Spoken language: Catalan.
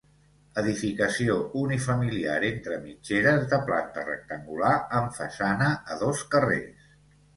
Edificació unifamiliar entre mitgeres de planta rectangular amb façana a dos carrers.